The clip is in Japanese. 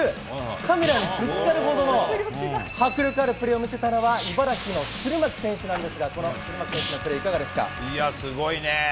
カメラにぶつかるほどの迫力あるプレーを見せたのは茨城の鶴巻選手ですがすごいね。